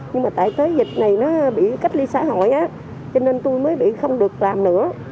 nhưng mà tại tới dịch này nó bị cách ly xã hội á cho nên tôi mới bị không được làm nữa